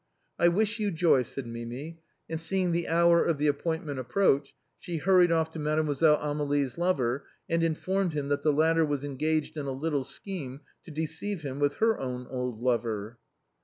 " I wish you joy," said Mimi, and seeing the hour of the appointment approach, she hurried off to Mademoiselle Amélie's lover, and informed him that the latter was en gaged in a little scheme to deceive him with her own old lover.